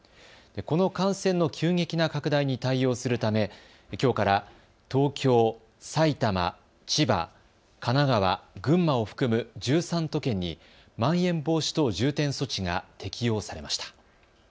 この感染の急激な拡大に対応するためきょうから東京、埼玉、千葉、神奈川、群馬を含む１３都県にまん延防止等重点措置が適用されました。